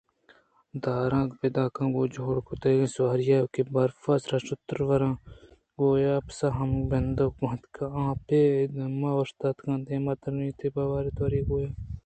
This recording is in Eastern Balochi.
(دار ءِ پادگاں گوں جوڑکُتگیں سواری ئے کہ برف ءِ سرا شتر وراں روت ءُ گوں اپساں ہم بندگ بیت) آ پہ دمانے ءَاوشتات ءُدیما ترّینت آ پہ بے تواریءَ بے گویاکی ءَ اوشتات